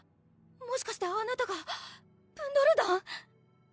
もしかしてあなたがブンドル団？